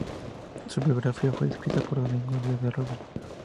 Su biografía fue escrita por Domingo Díaz de Robles.